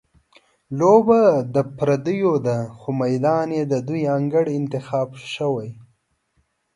لوبه د پردیو ده، خو میدان یې د دوی انګړ انتخاب شوی.